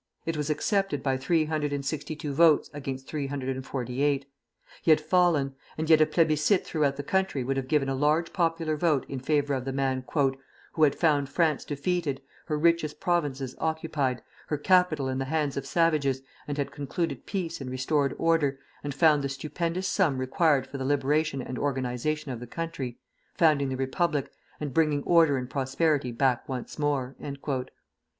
It was accepted by three hundred and sixty two votes against three hundred and forty eight. He had fallen; and yet a plébiscite throughout the country would have given a large popular vote in favor of the man "who had found France defeated, her richest provinces occupied, her capital in the hands of savages, and had concluded peace and restored order, and found the stupendous sum required for the liberation and organization of the country, founding the Republic, and bringing order and prosperity back once more."